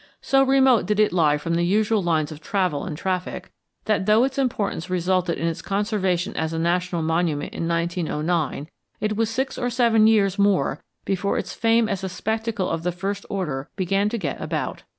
So remote did it lie from the usual lines of travel and traffic that, though its importance resulted in its conservation as a national monument in 1909, it was six or seven years more before its fame as a spectacle of the first order began to get about.